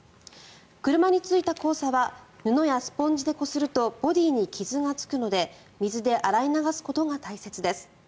車についた黄砂は布やスポンジでこするとボディーに傷がつくので水で洗い流すことが大切です。